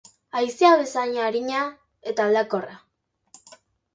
Haizea bezain arina eta aldakorra.